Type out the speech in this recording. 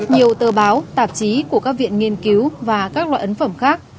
nhiều tờ báo tạp chí của các viện nghiên cứu và các loại ấn phẩm khác